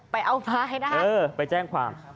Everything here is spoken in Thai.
ไปเอาไฟนะฮะเออไปแจ้งความ